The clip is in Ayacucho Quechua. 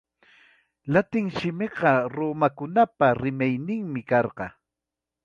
Latin simiqa romanukunapa rimayninmi karqa.